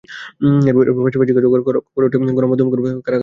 এরপর ফাঁসি কার্যকর করার খবর রটে যায়, গণমাধ্যমকর্মীরা কারাগারের সামনে ভিড় জমান।